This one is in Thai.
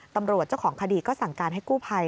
ตำรวจเจ้าของคดีก็สั่งการให้กู้ภัย